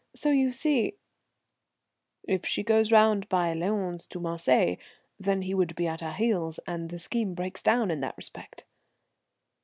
So you see " "If she goes round by Lyons to Marseilles, then, he would be at her heels, and the scheme breaks down in that respect?"